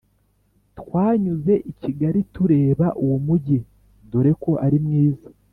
twanyuze i Kigali tureba uwo mugi dore ko ari mwiza